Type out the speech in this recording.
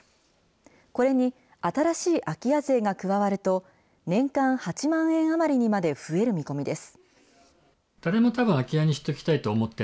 これに新しい空き家税が加わると、年間８万円余りにまで増える見込みです。